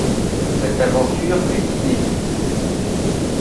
Cette aventure est inédite.